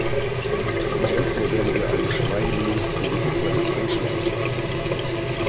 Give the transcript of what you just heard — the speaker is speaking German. Um elf Uhr werden wir eine Schweigeminute für die Opfer des Anschlags einlegen.